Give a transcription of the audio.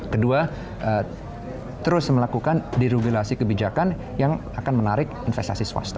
kedua terus melakukan dirubilasi kebijakan yang akan menarik investasi swasta